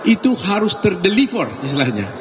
itu harus ter deliver istilahnya